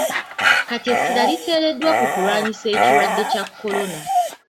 Kati essira liteereddwa ku kulwanyisa ekirwadde kya Kolona.